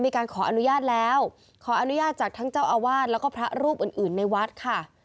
มีการขออนุญาตแล้วขออนุญาตจากทั้งเจ้าอาวาสแล้วก็พระรูปอื่นอื่นในวัดค่ะ